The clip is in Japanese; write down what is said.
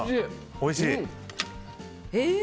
おいしい！